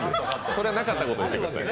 それは、なかったことにしてください。